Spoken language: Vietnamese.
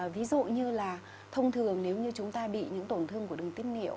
ví dụ như là thông thường nếu như chúng ta bị những tổn thương của đường tiết niệu